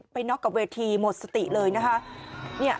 น็อกกับเวทีหมดสติเลยนะคะ